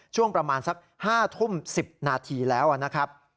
ช่วงประมาณสัก๕ทุ่ม๑๐นาทีแล้วนะครับ